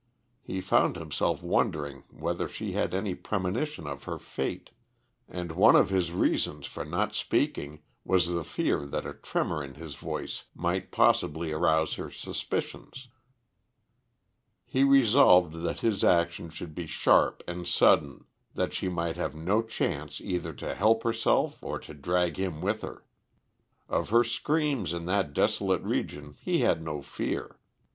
He found himself wondering whether she had any premonition of her fate, and one of his reasons for not speaking was the fear that a tremor in his voice might possibly arouse her suspicions. He resolved that his action should be sharp and sudden, that she might have no chance either to help herself or to drag him with her. Of her screams in that desolate region he had no fear.